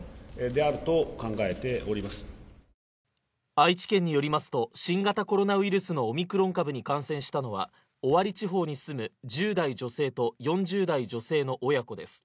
愛知県によりますと、新型コロナウイルスのオミクロン株に感染したのは尾張地方に住む、１０代女性と、４０代女性の親子です。